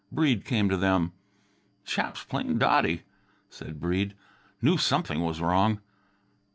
Breede came to them. "Chap's plain dotty," said Breede. "Knew something was wrong."